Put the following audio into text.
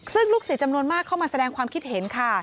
ซึ่งลูกศิษย์จำนวนมากเข้ามาแสดงความคิดเห็นค่ะ